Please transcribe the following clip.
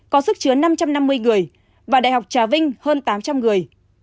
có sức chứa năm trăm năm mươi người và đại học trà vinh hơn tám trăm linh người